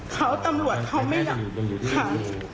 เขาตำรวจเขาไม่ยอม